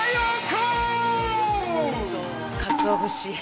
かつお節。